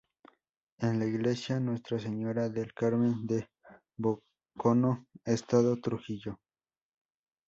En la Iglesia Nuestra Señora del Carmen de Boconó, Estado Trujillo.